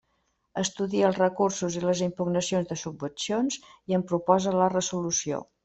Estudia els recursos i les impugnacions de subvencions i en proposa la resolució.